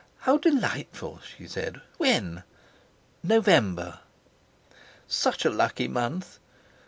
"How delightful!" she said. "When?" "November." Such a lucky month!